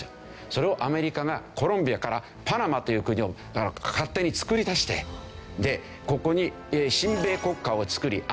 それをアメリカがコロンビアからパナマという国を勝手につくり出してでここに親米国家をつくりアメリカ軍が駐留する。